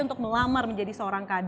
untuk melamar menjadi seorang kader